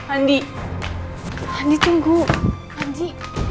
andi andi tunggu andi